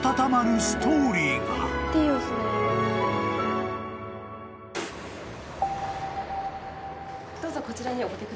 どうぞこちらにお掛けください。